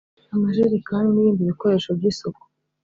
amajerikani n’ibindi bikoresho by’isuku